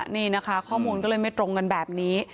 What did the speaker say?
นี่นะคะข้อมูลก็เลยไม่ตรงกันแบบนี้